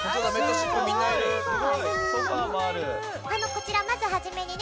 こちらまず初めにね